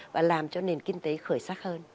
và làm cho nền kinh tế khởi sắc hơn